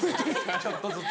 ちょっとずつ。